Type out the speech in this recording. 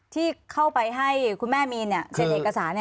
ที่เข้าไปให้คุณแม่มีนเซ็นเอกสาร